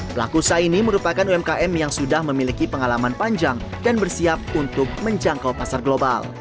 pelaku usaha ini merupakan umkm yang sudah memiliki pengalaman panjang dan bersiap untuk menjangkau pasar global